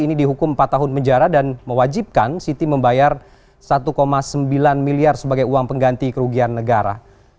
ini dihukum empat tahun penjara dan mewajibkan siti membayar satu sembilan miliar sebagai uang pengganti kerugian negara